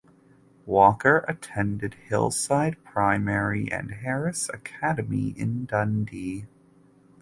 Walker attended Hillside Primary and Harris Academy in Dundee.